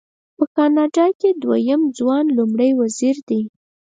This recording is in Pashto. په کاناډا کې دویم ځوان لومړی وزیر دی.